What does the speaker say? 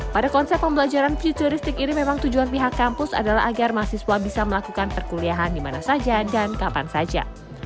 pada konsep pembelajaran futuristik ini memang tujuan pihak kampus adalah agar mahasiswa bisa melakukan perkuliahan di mana saja dan kapan saja